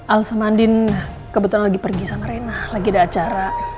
alsa mandin kebetulan lagi pergi sama reina lagi ada acara